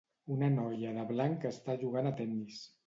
Una noia de blanc està jugant a tennis.